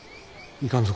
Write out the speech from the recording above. いかんぞ。